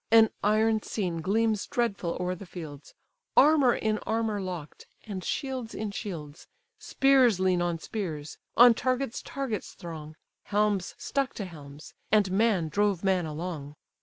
An iron scene gleams dreadful o'er the fields, Armour in armour lock'd, and shields in shields, Spears lean on spears, on targets targets throng, Helms stuck to helms, and man drove man along.